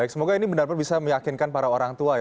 baik semoga ini benar benar bisa meyakinkan para orang tua ya